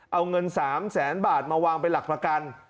เอาเงิน๓แสนบาทมาวางเป็นหลักประกัน